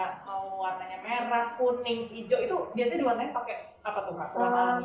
kalau untuk model model lainnya kayak warnanya merah kuning hijau itu biasanya diwarnanya pakai apa tuh